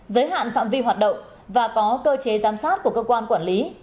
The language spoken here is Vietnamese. giới hạn phạm vi hoạt động và có cơ chế giám sát của cơ quan quản lý